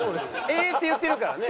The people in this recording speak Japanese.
「え」って言ってるからね。